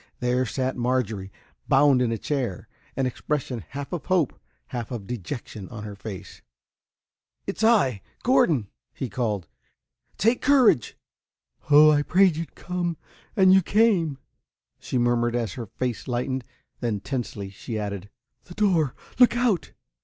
There sat Marjorie, bound in a chair, an expression half of hope, half of dejection, on her face. "It's I Gordon!" he called. "Take courage!" "Oh, I prayed so you'd come and you came!" she murmured as her face lighted. Then, tensely, she added, "The door look out!"